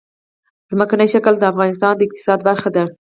ځمکنی شکل د افغانستان د اقتصاد برخه ده.